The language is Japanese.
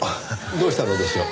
どうしたのでしょう？